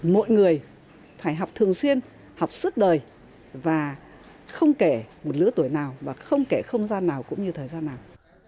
mọi người phải học thường xuyên học suốt đời và không kể một lứa tuổi nào và không kể không gian nào cũng như thời gian nào